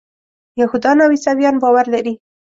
یهودان او عیسویان باور لري.